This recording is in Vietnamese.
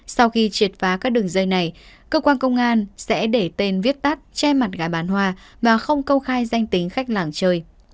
sau khi triệt phá các đường dây này cơ quan công an sẽ để tên viết tắt che mặt gái bán hoa và không công khai danh tính khách làng chơi